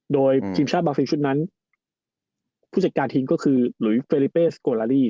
โดยทีมชาติบาร์ซิลชุดนั้นผู้จัดการทิ้งก็คือฤวิตเฟริเปสโกราลี